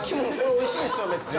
おいしいんですよ、めっちゃ。